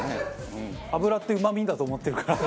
脂ってうまみだと思ってるから。